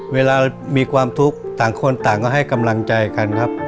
เวลามีความทุกข์ต่างคนต่างก็ให้กำลังใจกันครับ